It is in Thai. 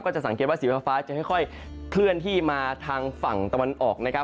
จะสังเกตว่าสีฟ้าจะค่อยเคลื่อนที่มาทางฝั่งตะวันออกนะครับ